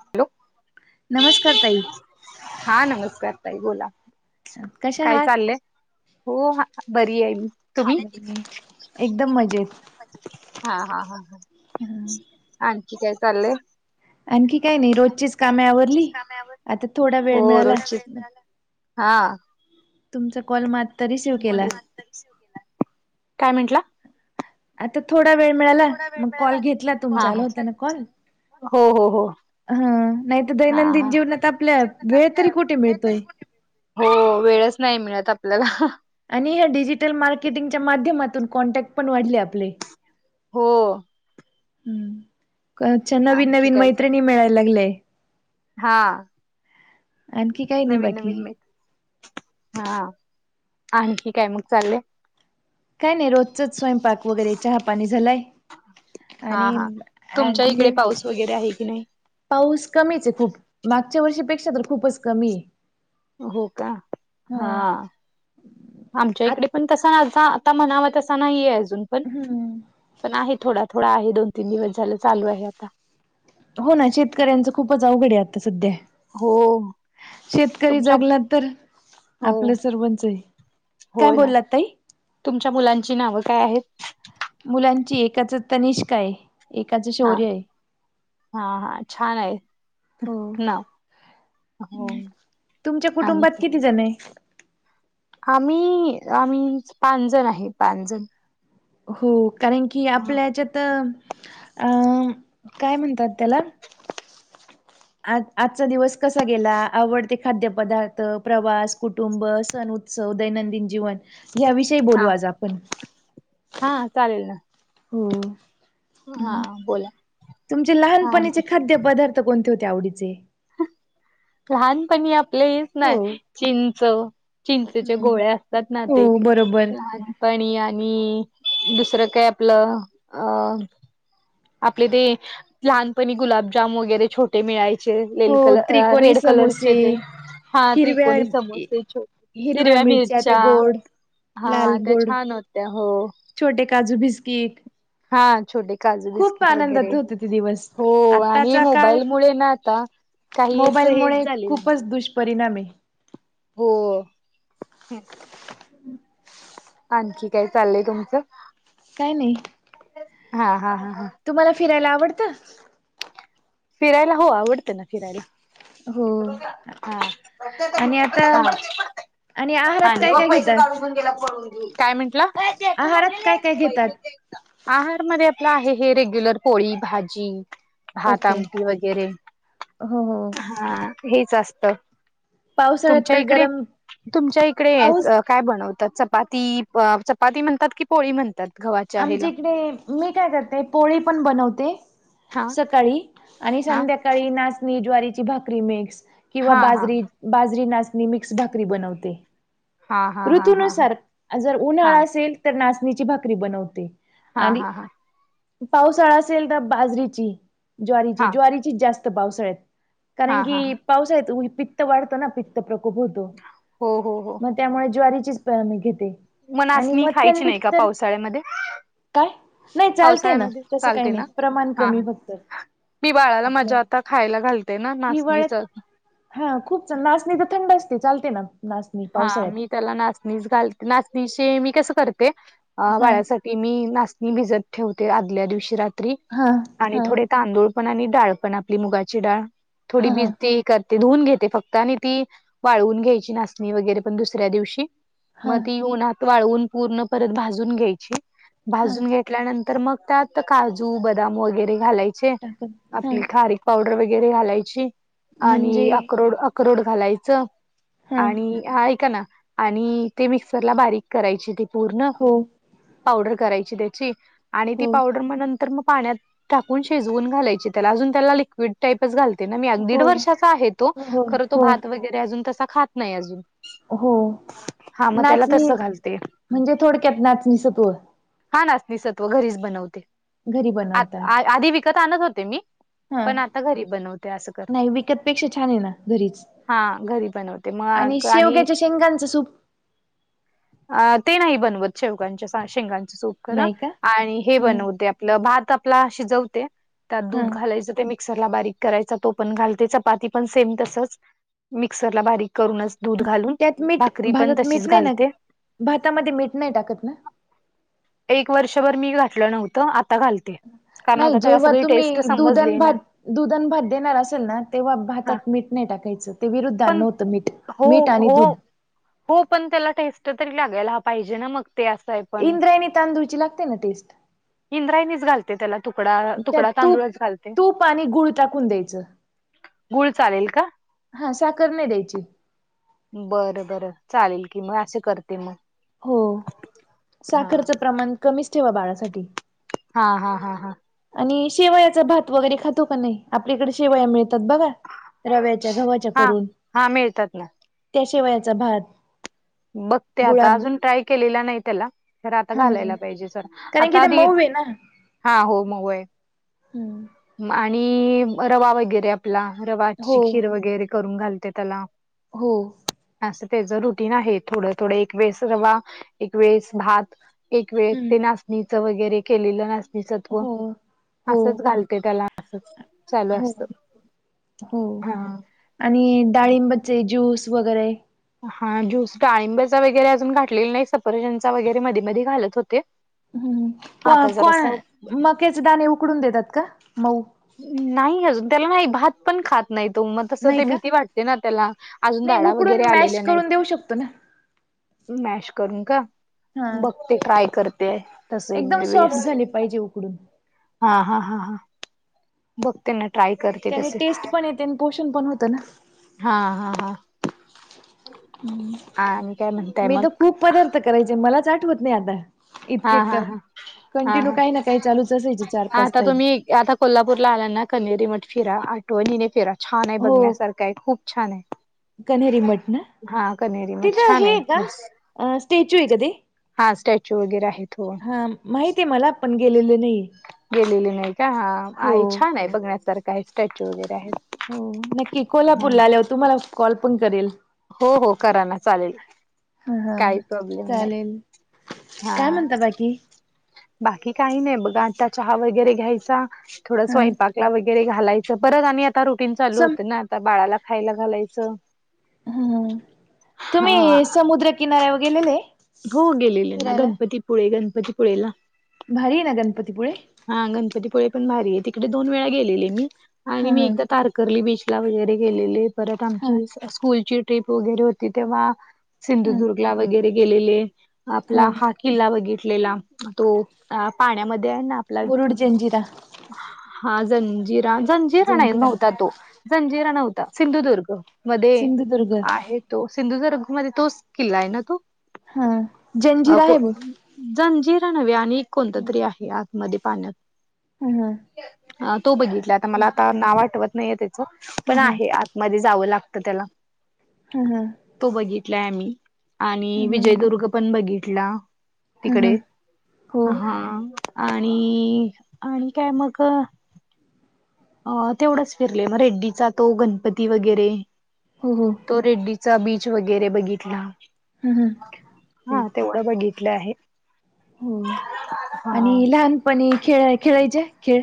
Hello, नमस्कार ताई. हा नमस्कार ताई. बोला, कशा काय आहात? चाललंय? हो हा बरी आहे मी. तुम्ही? एकदम मजेत हा हा हा. आणखी काय चाललंय? आणखी काही नाही. रोजचीच कामे आवरली, आता थोडा वेळ हो मिळाला. रोजची मग हा. तुमचा कॉल म रिसीव्ह केला. काय म्हंटला? आता थोडा वेळ मिळाला मग कॉल घेतला हा तुमचा. आल हा होता ना कॉल. हो हो हो. हं, नाही तर हा दैनंदिन हा जीवनात आपल्या वेळ आपल्या तरी कुठे मिळतोय? हो वेळच नाही मिळत आपल्याला. आणि ह्या डिजिटल मार्केटिंगच्या माध्यमातून कॉन्टॅक्ट पण वाढले आपले हो. हम्म रोजच्या नवीन आणखी नवीन काय मैत्रिणी मिळायला लागलय. हा. काही नाही नवीन बाकी नवीन म हा आणखी काय मग चालले. काय नाही रोजचच स्वयंपाक वगैरे चहापाणी झालाय. हा आणि हा तुमच्या इकडे अू पाऊस वगैरे आहे की नाही. पाऊस कमीच आहे खूप मागच्या वर्षीपेक्षा तर खूपच कमी आहे. हो का हा. आमच्या आ इकडे पण तसा आसा आता म्हणावा त अससा नाही आहे अजून पण हम्म पण आहे थोडा थोडा आहे दोन तीन दिवस झालं चालू आहे आता हो ना शेतकऱ्यांचं खूपच अवघड आहे आता सध्या हो. शेतकरी तुमच्या जगला तर हो आपल् सर्वच हे काय होय ना बोलला तई तुमच्या मुलांची नावं काय आहेत. मुलांची एकाच तनिष्काय. एकाचं हा शौर्य आहे हा हा छान आहे हो. नाव हो तुमच्या आणि कुटुंबात काय किती जण आहे. आम्ही आम्ही पाच जण आहे पाच जण. हो कारण की आपल्याच्यात अ काय म्हणतात त्याला आज आजचा दिवस कसा गेला आवडते खाद्यपदार्थ प्रवास कुटुंब सण उत्सव दैनंदिन जीवन या्याविषयी हा बोलू आज आपण हा चालेल ना. हो हा बोला तुमचे हा लहानपणीचे आणखी खाद्य बदल. कोणते होते आवडीचे. लहानपणी आपलं हेच हो ना चींच चिंचेचे हम्म गोळे असतात ना ते हो बरोबर लहान. पणी आणि दुसरं काय आपलं अ आपले ते लहानपणी गुलाबजाम वगैरे छोटे. ते मिळायचे लेल हो कलर त्रिकोणी रेड कलरचे समोसे ते. हा हिरव्या त्रिकोणी समोसे छोटे हिरव्या मिरच्या. हा लाल त्या गोड छान होत्या हो. छोटे काजू भिस्कक हा छोट काजू बिस्किट वगैरे आनंदात होते ते दिवस हो आणि आत्ताचा काळ मोबाईल मु मुळे ना आता. काही असं हेच झाले नाही. परिणामी. हो. आणखी काय चाललंय तुमचं? काही नाही. हा हा हा हा. तुम्हाला फिरायला आवडतं. फिरायला हो आवडते ना फिरायला. हो हम्. आणि आता आहारात आणि काय काय पैसे घेता? काढून घेऊन गेला पून काय म्हंटलं. आहारात काय काय घेतात. आहारमध्येध्ये आपलं आहे हे रेग्युलर पोळी भाजी. भात ओके आमटी वगैरे हो हो [unintelligible] हा हेच असत पावसाळ्यात तुमच्या तर इकडे गरम तुमच्या इकडेच पाऊस काय बनवतात चपाती चपाती म्हणतात की पोळी म्हणतात [unintelligible] हेला आमच्या इकडे मी काय करते पोळी पण बनवते [unintelligible] हा [unintelligible] ्याकाळी आणि हा संध्याकाळी नाचणी ज्वारीची भाकरी मिक्स किंवा हा हा बाजरी [unintelligible] बाजरी नाचणी मिक्स भाकरी बनवते [unintelligible] हा हा हा हा हा ऋतनुसार जर हा उन्हाळा असेल [unintelligible] तर नाचणीची भाकरी बनवते हा आणि हा [unintelligible] पावसाळा असेल तर बाजरीची हा ज्वारीची हा ज्वारीची जास्त पावसाळत [unintelligible] कारण हा हा की पावस य पित्त वाढतो ना पित्त प्रकोप होतो हो हो हो म [unintelligible] त्यामुळे ज्वारीचीच प म घेते [unintelligible] आणि मनसणी मग खायची नाही थंडीत का तर पावसाळ्यामध्ये [unintelligible] काय नाही चालते ना पावसाळ्यामध्ये तसं काही चालते नाही ना प्रमाण हा कमी फक्त [unintelligible] मी बाळाला आपलं मजा आता खायला घालते ना नाचणीच हिवाळ्यात [unintelligible] हा खूप नाच नाही तर थंड असते चालते नाच [unintelligible] हा मी त्याला नाचणीच घालते नाचणीची मी कसं करते हा वाळ्यासाठी [unintelligible] त मी नाशणी भिजत ठेवते आदल्या दिवशी रात्री हा आणि हा थोडे तांदूळ [unintelligible] पण आणि डाळ पण आपली मुगाची डाळ थोडी हा हा भिजते [unintelligible] ते धुवून घेते फक्त आणि ती वाळवून घ्यायची नाचणी वगैरे पण दुसऱ्या दिवशी [unintelligible] हा मग ती येऊनत वाळवून पूर्ण परत भाजून घ्यायची हा भाजून घेतल्यानंतर [unintelligible] तर मग त्यात काजू बदाम वगैरे घालायचे टाकत हा आपली खारी [unintelligible] पावडर वगैरे घालायची आणि म्हणजे अकोड अक्रोड घालायचं [unintelligible] हा आणि ऐका ना आणि ते मिक्सरला बारीक करायची ते पूर्ण हो [unintelligible] पावडर करायची त्याची आणि ती हो पावडर. [unintelligible] मग नंतर मग पाण्यात टाकून शिजवून घालायची त्याला अजून त्याला. [unintelligible] विट टाईप च घालते ना, दीड हो वर्षाचा आहे तो हो, खर तो हो, भात वगैरे अजून तसा खात. [unintelligible] नाही अजून. [unintelligible] हो हा मग त्याला नाचणी तसं घालते म्हणजे थोडक्यात नाचणी सत्व. [unintelligible] हा नाचणी सत्व घरीच बनवते, घरी आ बनवता. आधी विकत आणत होते मी. [unintelligible] हा पण आता घरी बनवते असं करते नाही विकतपेक्षा छान आहे ना घरीच. हा घरी बनवते [unintelligible] आणि शेवग्याच्या शेंगांचं सूप [unintelligible] अ ते नाही बनवत शेवकांच्या शेंगां [unintelligible] सूप नाही का? आणि हे ह बनवते आपलं भात आपला शिजवते [unintelligible] त्यात हा दूध घालायचं ते म [unintelligible] मिक्सर ला बारीक करायचा तो पण घालते चपाती पण सेम तसच मिक्सरला बारीक करूनच दूध घालून त्यात मीठ भाकरी पण भाजत तशीच मीठ नाही ना घालते भातामध्ये मीठ नाही टाकत ना? [unintelligible] एक वर्षभर मी घातलं नव्हतं आता घालत [unintelligible] नाही जेव्हा तुम्ही दुध न समजली ना भात. [unintelligible] दुध न भात देणार असेल, ना तेव्हा हा भातात मीठ नाही टाकायचं ते विरुद्धां पण नव्हतं मीठ. [unintelligible] हो, हो, दूध हो पण त्याला टेस्ट तरी लागायला पाहिजे ना, मग ते अस हाय. [unintelligible] इंद्रायणी तांदूळची लागते ना टेस्ट. [unintelligible] इंद्रायणीच घालते त्याला तुकडा त्यात तुकडा तूप तांदूळच घालते. तूप आणि गुळ टाकून द्यायचं. गूळ चालेल का. [unintelligible] हा साखर नाही द्यायची. [unintelligible] बर बरं चालेल की मग असे करते मग. [unintelligible] हो हा. साखरचं प्रमाण कमीच ठेवा बाळासाठी. [unintelligible] हा हा हा हा. [unintelligible] आणि शेवयाचा भात वगैरे खातो का नाही, आपल्या इकडे शेवया मिळतात बघा. [unintelligible] रव्याच्या गव्हाच्या हा करून हा मिळतात ना त्या शेवयाचा भात. [unintelligible] बघते आता गुळाब अजून ट्राय केलेला नाही त्याला. खर आता हा घालायला हा पाहिजे सर कारण की आता ते आधी मऊ आहे ना हा हो मऊ य. हम्. आणि रवा वगैरे आपला हो रवाची खीर वगैरे करून घालते त्याला. हो. असं त्याच रुटीन आहे, थोडं थोडं एक वेळेस रवा एक वेळेस भात. एक वेळ हम्म ते नाचणीचं वगैरे केलेलं नाचणीसत्व हो हो असंच घालते त्याला. अस चालू हो असत हो हा. आणि डाळिंबचे ज्यूस वगैरे. हा ज्यूस डाळिंबचा वगैरे अजून घाठलेला नाही, सफरचंद चा वगैरे मध्ये मध्ये घालत होते. ह् प आता कोण जरासा मकेचे दाणे उकडून देतात का मऊ. नाही अजून त्याला नाही, भात पण खात नाही तो मग तस नाही ते का भीती वाटते ना त्याला. अजून नाही दाडा उकडून वगैरे मॅश आलेल्या नाहीत. करून देऊ शकतो ना मॅश करून का हा बघते ट्राय करते. तस एक एकदम सॉफ्ट दिवस झाले पाहिजे उकडून. हा हा हा हा. बघते ना ट्राय कर. त्याने टेस्ट पण येते, आणि पोषण पण होत ना. हा हा हा आणि काय म्हणताय मी तर मग खूप पदार्थ करायचे मलाच आठवत नाही आता. हा इतके हा करा हा हा कंटिन्यू हा काही ना काही चालूच असायचे चार पाच आता टाईप. तुम्ही आता कोल्हापूरला आला ना कनेरी मठ फिरा आठवणीने फिरा छान आहे बघण्यासारखं. काय खूप छान आहे. कनहेरी मठ ना, हा कनेरी मठ तिथं छान हे आहे का स्टॅच्यू आहे का ते. हा स्टॅच्यू वगैरे आहेत हो. हा माहिती आहे मला, पण गेलेले नाही. गेलेली नाही का ह हो आहे छान आहे बघण्यासारखा आहे स्टॅच्यू वगैरे आहे. हो नक्की कोल्हापूरला आल्यावर तुम्हाला कॉल पण करेल. हो हो कराना चालेल ह हा काही प्रॉब्लेम नाही. चालेल काय हा म्हणता बाकी बाकी काही नाही बघा आता चहा वगैरे घ्यायचा थोडा हा स्वयंपाक वगैरे घालायचं परत आणि आता रुटीन चालू सम होतं ना आता बाळाला खायला घालायचं. ते हा तुम्ही हा समुद्र किनाऱ्यावर गेलेले हो गेलेलेना फिरायला? गणपती. पुळे गणपतीपुळेला. भारी आहे ना गणपती पुुळेे हा गणपतीपुळे पण भारी आहे तिकडे दोन वेळा गेलेले मी हा आणि मी हा एकदा तार कर्ली बीच ला वगैरे गेलेली परत हा आमची स्कूलची ट्रीप वगैरे होती तेव्हा हा सिंधुदुर्गला वगैरे गेलेले हो आपला हा किल्ला बघितलेला तो पाण्यामध्ये आहे ना आपला मुरुड जंजिरा हां जंजिरा जंजीरा नाही जंजिरा नव्हता तो जंजीरा नव्हता सिंधुदुर्ग मध्ये सिंधुदुर्ग आहे तो सिंधुदुर्ग मध्ये तोच किल्ला आहे ना तो, हा आ जंजिरा को आहे बघ जंजीरा नव्हे आणि एक कोणत तरी आहे आतमध्ये हा हा पाण्यात अ तो बघितला आता मला आता नाव आठवत नाहीये त्याच हा पण हा आहे आत मध्ये जावं लागतं त्याला हा हा तो बघितलाय आम्ही आणि हा विजयदुर्ग पण बघितला हा हा तिकडे हो हा आणि आणि काय मग? अ तेवढंच फिरले मग रेड्डीचा तो गणपती वगैरे हो, हो तो रेड्डीचा बीच वगैरे बघितला हा हा हा तेव्हा बघितलं आहे हो आणि हा लहानपणी खेळ, खेळायचे खेळ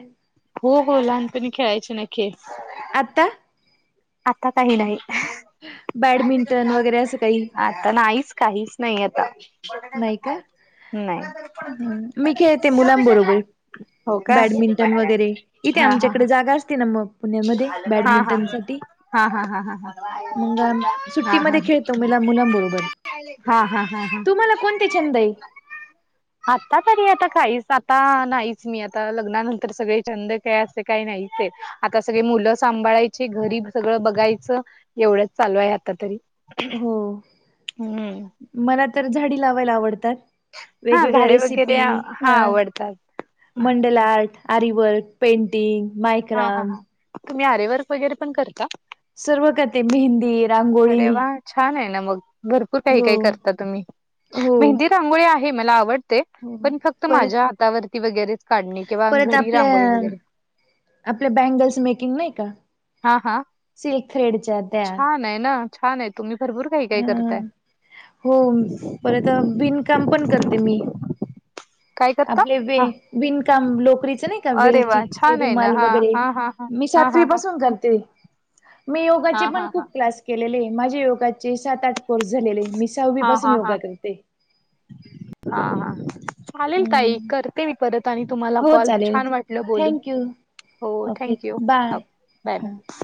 हो, हो लहानपणी खेळायचे ना खेळ. आता आता काही नाही. बॅडमिंटन वगैरे असं काही, आता नाहीच, काहीच नाही आता नाही. हम, मी खेळते मुलानं बरोबर. हो का? बॅडमिंटन वगैरे, इथे हा हा आमच्याकडे जागा असते ना मग पुण्यामध्ये हा हा हा बॅडमिंटन साठी. हा हा हा हा. मग, हा सुट्टीमध्ये हा खेळतो मिला मुलानं बरोबर. हा हा हा हा तुम्हाला कोणते छंद आहे? आता तरी आता काहीच, आता नाहीच मी आता लग्नानंतर सगळे छंद ते असे काही नाही च आता सगळे मुलं सांभाळायचे, घरी सगळं बघायचं एवढंच चालू आहे आता तरी हो, हम्म मला तर झाडी लावायला आवडतात. हा वेगवेगळ्या झाडे वगैरे रेसिपी, हा आवडतात. मंडल आर्ट, आरीवर्क, पेंटिंग, हा हा मायक्राम हा तुम्ही आरेवर्क वगैरे पण करता? सर्व करते मेहंदी अरे रांगोळी वा छान आहे ना मग, भरपूर काही, हो काही करता तुम्ही, हो मेहंदी रांगोळी आहे मला आवडते, हो पण फक्त परत माझ्या हातावरती वगैरेच काढली. किंवा घरी रांगोळी वगैरे आपले बँगल्स मेकिंग नाही का! हा हा सिल्क थ्रेडच्या त्या छान आहे ना छान आहे तुम्ही भरपूर काही काही हा करताय तर बिनकाम पण करते मी काय करता आपले वे हा विणकाम लोकरीच नाही का अरे वा वेलचीचे छान आहे ना रुमाल हा वगैरे हा हा मी हा सातवी हा हा पासून करते मी योगाचे हा पण हा हा खूप हा क्लास केलेले माझे योगाचे सात आठ कोर्स झालेलेी सहावी हा हा पासून हा योगा करते. हा, हा चालेल ताई अम करते मी परत आणि तुम्हाला हो कॉल चालेल छान वाटलं बोलून, थँक यू हो थँक्यू बाय, हा. बाय